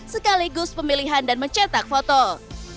sekaligus pemilihan dan mencetak foto